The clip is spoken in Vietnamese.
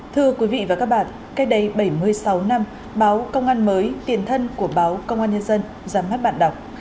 thưa quý vị và các bạn cách đây bảy mươi sáu năm báo công an mới tiền thân của báo công an nhân dân ra mắt bạn đọc